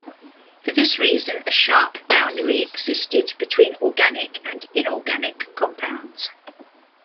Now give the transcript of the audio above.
For this reason a sharp boundary existed between organic and inorganic compounds.